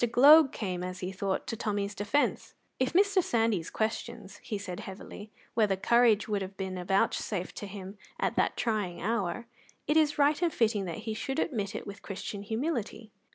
Gloag came, as he thought, to Tommy's defence. "If Mr. Sandys questions," he said heavily, "whether courage would have been vouchsafed to him at that trying hour, it is right and fitting that he should admit it with Christian humility."